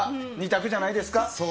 ２択じゃないですか？